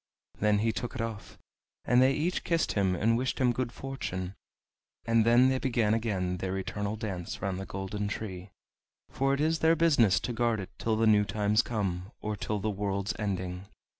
Then he took it off, and they each kissed him and wished him good fortune, and then they began again their eternal dance round the golden tree, for it is their business to guard it till the new times come, or till the world's ending.